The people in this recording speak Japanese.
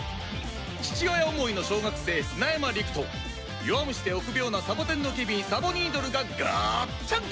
父親思いの小学生砂山理玖と弱虫で臆病なサボテンのケミーサボニードルがガッチャンコ！